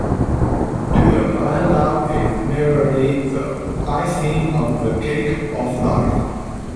To a man love is merely the icing on the cake of life.